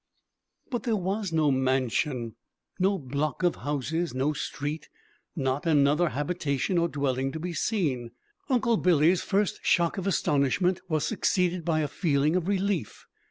But there was no mansion, no block of houses, no street, not another habitation or dwelling to be seen! Uncle Billy's first shock of astonishment was succeeded by a feeling of relief.